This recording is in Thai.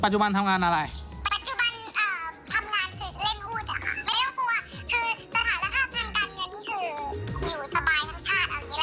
ก็เล่นจริงบอกแล้วรายได้ดีไม่ต้องกลัว